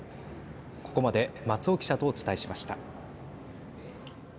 ここまで松尾記者とお伝えしました。